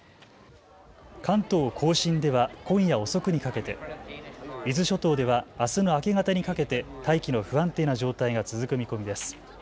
関東甲信では今夜遅くにかけて、伊豆諸島ではあすの明け方にかけて大気の不安定な状態が続く見込みです。